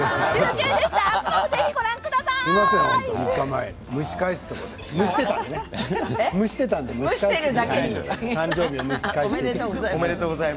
明日も、ぜひご覧ください。